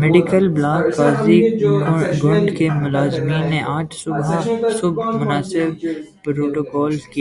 medical block Qazigund کے ملازمین نے آج صبح مناسب پروٹوکول ک